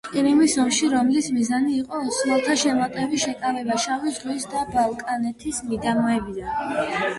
ყირიმის ომში, რომლის მიზანი იყო ოსმალთა შემოტევების შეკავება შავი ზღვისა და ბალკანეთის მიდამოებიდან.